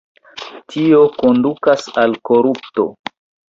Tio kondukas al korupto.